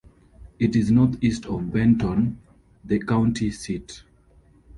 It is northeast of Benton, the county seat.